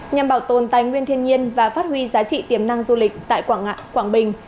nhằm bảo tồn tài nguyên thiên nhiên và phát huy giá trị tiềm năng du lịch tại quảng bình